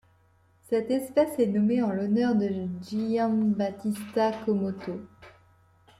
Cette espèce est nommée en l'honneur de Gian Battista Comotto.